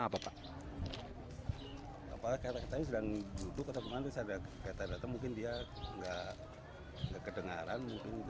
apalagi kereta kereta ini sedang duduk atau kemana mungkin dia tidak kedengaran